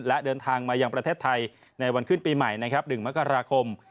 และเดินทางมายังประเทศไทยในวันขึ้นปีใหม่นะครับ๑มกราคม